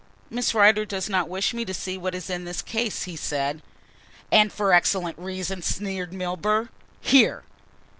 "Miss Rider does not wish me to see what is in this case," he said. "And for an excellent reason," sneered Milburgh. "Here!"